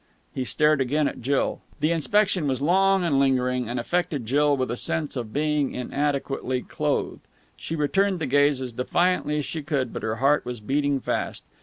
He stared again at Jill. The inspection was long and lingering, and affected Jill with a sense of being inadequately clothed. She returned the gaze as defiantly as she could, but her heart was beating fast.